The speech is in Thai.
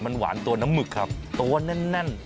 มันหวานตัวน้ำหมึกครับตัวแน่น